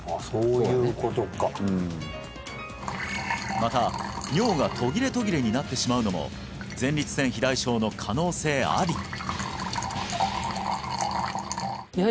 そういうことかうんまた尿が途切れ途切れになってしまうのも前立腺肥大症の可能性あり